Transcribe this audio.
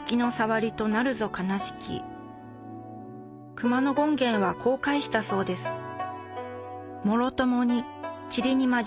熊野権現はこう返したそうですへぇ。